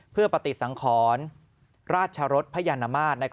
เพื่อปฏิสังขรรค์ราชรสพญานมาส